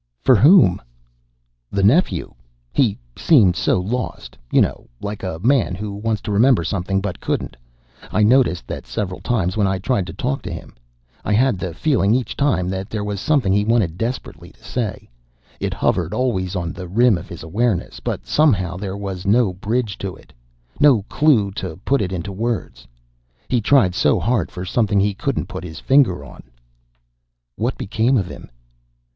"For whom?" "The nephew. He seemed so lost, you know like a man who wanted to remember something, but couldn't. I noticed that several times when I tried to talk to him; I had the feeling each time that there was something he wanted desperately to say, it hovered always on the rim of his awareness, but somehow there was no bridge to it, no clue to put it into words. He tried so hard for something he couldn't put his finger on." "What became of him?"